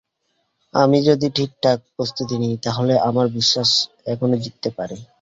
আমি যদি ঠিকঠাক প্রস্তুতি নিই তাহলে আমার বিশ্বাস এখনো জিততে পারি।